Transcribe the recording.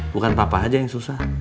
bukan papa aja yang susah